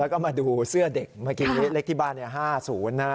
แล้วก็มาดูเสื้อเด็กเมื่อกี้เลขที่บ้าน๕๐นะ